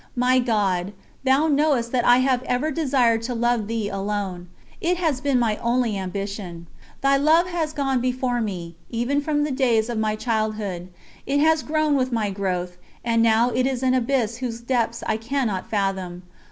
My God, Thou knowest that I have ever desired to love Thee alone. It has been my only ambition. Thy love has gone before me, even from the days of my childhood. It has grown with my growth, and now it is an abyss whose depths I cannot fathom.